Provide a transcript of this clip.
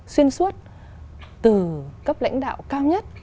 xuyên suốt từ cấp lãnh đạo cao nhất